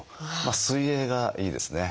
水泳がいいですね。